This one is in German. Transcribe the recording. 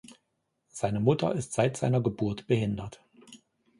Seine Mutter ist seit seiner Geburt behindert.